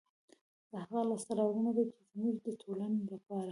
دا هغه لاسته راوړنه ده، چې زموږ د ټولنې لپاره